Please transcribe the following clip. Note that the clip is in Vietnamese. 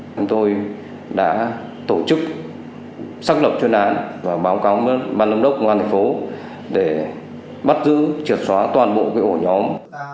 chúng tôi đã tổ chức xác lập chuyên án và báo cáo ban lâm đốc công an tp để bắt giữ triệt xóa toàn bộ cái ổ nhóm